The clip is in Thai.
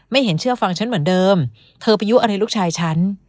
เห็นเชื่อฟังฉันเหมือนเดิมเธอไปยุอะไรลูกชายฉัน